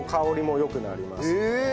へえ！